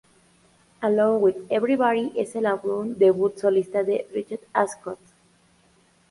Alone with everybody es el álbum debut solista de Richard Ashcroft.